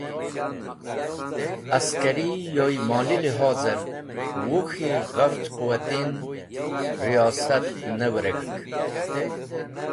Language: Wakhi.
Askari yoy Moli Lihozer Wuk̃hi ghafch Quwatin riyasat ne wirek̃hk.